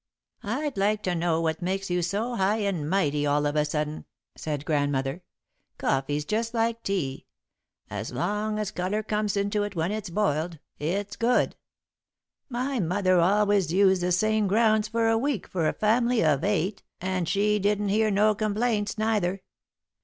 "I'd like to know what makes you so high and mighty all of a sudden," said Grandmother. "Coffee's just like tea as long as colour comes into it when it's boiled, it's good. My mother always used the same grounds for a week for a family of eight, and she didn't hear no complaints, neither.